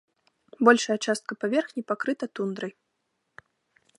Большая частка паверхні пакрыта тундрай.